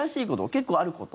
結構あること？